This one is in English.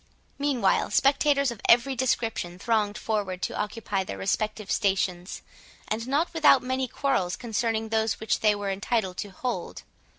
Meanwhile, spectators of every description thronged forward to occupy their respective stations, and not without many quarrels concerning those which they were entitled to hold.